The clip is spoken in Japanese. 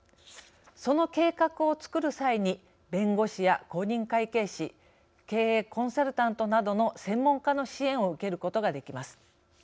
その計画をつくる際に弁護士や公認会計士経営コンサルタントなどの専門家の支援を受けることができます。